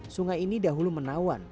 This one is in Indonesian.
sungai ini dahulu menawan